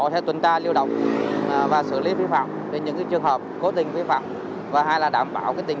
khi lượng phương tiện ta đột biến